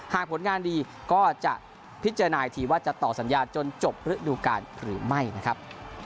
ผลงานดีก็จะพิจารณาอีกทีว่าจะต่อสัญญาจนจบฤดูการหรือไม่นะครับ